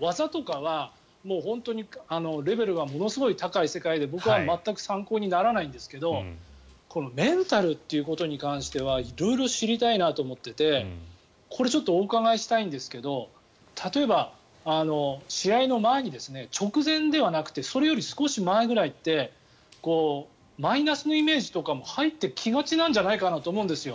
技とかは本当にレベルがものすごい高い世界で僕は全く参考にならないんですけどこのメンタルということに関しては色々知りたいなと思っていてこれちょっとお伺いしたいんですけど例えば、試合の前に直前ではなくてそれより少し前ぐらいってマイナスのイメージとかも入ってきがちなんじゃないかなと思うんですよ。